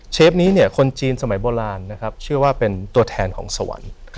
นี้เนี่ยคนจีนสมัยโบราณนะครับเชื่อว่าเป็นตัวแทนของสวรรค์